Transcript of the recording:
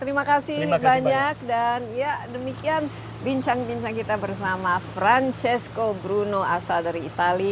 terima kasih banyak dan ya demikian bincang bincang kita bersama francesco bruno asal dari itali